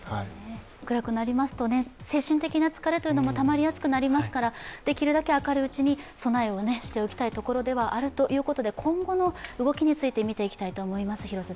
暗くなりますと精神的な疲れもたまりやすくなりますから、できるだけ明るいうちに備えをしておきたいところではあるということで、今後の動きについて見ていきたいと思います。